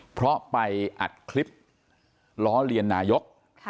เพราะไปอัดคลิปล้อเลียนนายก